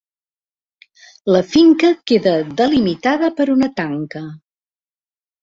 La finca queda delimitada per una tanca.